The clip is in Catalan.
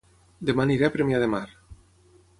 Dema aniré a Premià de Mar